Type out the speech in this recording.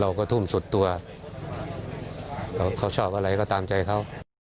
เราก็ทุ่มสุดตัวเขาชอบอะไรก็ตามใจเขา